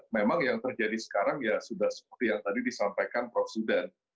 memang yang terjadi sekarang ya sudah seperti yang tadi disampaikan prof sudan